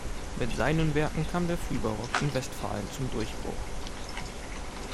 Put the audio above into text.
Mit seinen Werken kam der Frühbarock in Westfalen zum Durchbruch.